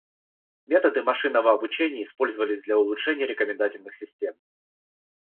Методы машинного обучения использовались для улучшения рекомендательных систем.